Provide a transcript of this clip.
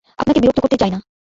আপনাকে বিরক্ত করতে চাই না।